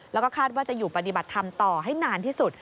แล้วก็คาดว่าจะอยู่ปฏิบัติธรรมต่อให้นานที่สุด